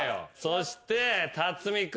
そして辰巳君。